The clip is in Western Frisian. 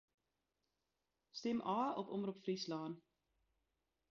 Stim ôf op Omrop Fryslân.